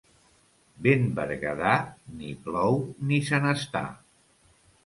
Vent berguedà, ni plou ni se n'està.